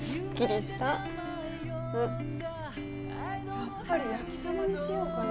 やっぱり焼きサバにしようかな。